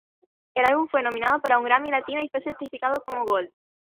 El álbum fue nominado para un Grammy Latino y fue certificado como Gold.